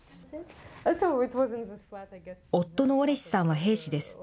夫のオレシさんは兵士です。